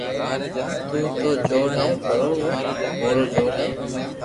تو تو جونور ھي پرو رو پورو جونور ھي